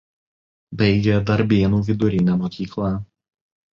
Baigė Darbėnų vidurinę mokyklą.